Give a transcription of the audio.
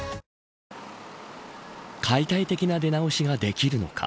解体的な出直しができるのか。